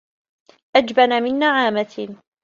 أجبن من نعامة